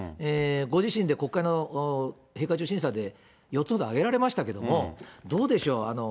ご自身で国会の閉会中審査で、４つほど挙げられましたけど、どうでしょう。